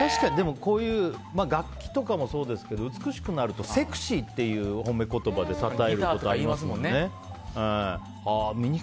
楽器とかもそうですけど美しくなるとセクシーっていう褒め言葉でたたえることがありますよね。